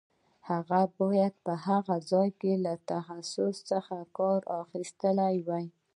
هغه باید په هغه ځای کې له تخصص څخه کار اخیستی وای.